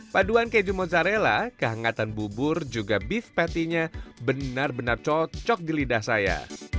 paduan keju mozzarella kehangatan bubur juga beef patty nya benar benar cocok di lidah saya